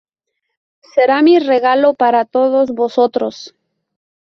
Será mi regalo para todos vosotros.